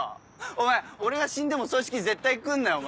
お前俺が死んでも葬式絶対来るなよお前。